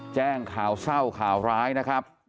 แจ้งข่าวเศร้าข่าวร้ายนะครับ